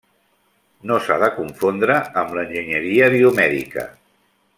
No s'ha de confondre amb l'enginyeria biomèdica.